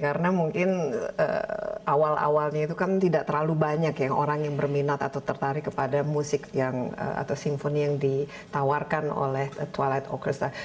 karena mungkin awal awalnya itu kan tidak terlalu banyak yang orang yang berminat atau tertarik kepada musik yang atau simfoni yang ditawarkan oleh twilight orchestra